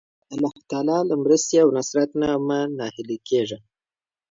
د الله تعالی له مرستې او نصرت نه مه ناهیلی کېږه.